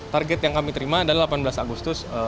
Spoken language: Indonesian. target yang kami terima adalah delapan belas agustus